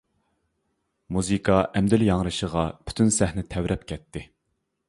مۇزىكا ئەمدىلا ياڭرىشىغا، پۈتۈن سەھنە تەۋرەپ كەتتى.